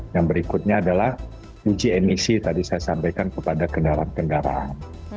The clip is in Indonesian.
yang berikutnya adalah uji emisi tadi saya sampaikan kepada kendaraan kendaraan